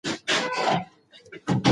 شاه محمود د پښتنو د عزت او وقار ساتونکی و.